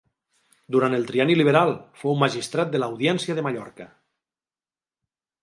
Durant el trienni liberal fou magistrat de l'Audiència de Mallorca.